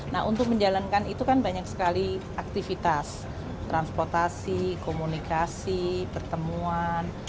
nah untuk menjalankan itu kan banyak sekali aktivitas transportasi komunikasi pertemuan